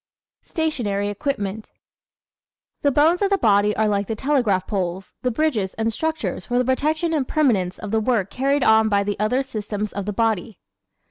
Stationary Equipment ¶ The bones of the body are like the telegraph poles, the bridges and structures for the protection and permanence of the work carried on by the other systems of the body.